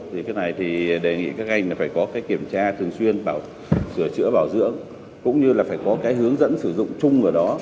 thì cái này thì đề nghị các anh phải có kiểm tra thường xuyên sửa chữa bảo dưỡng cũng như là phải có cái hướng dẫn sử dụng chung ở đó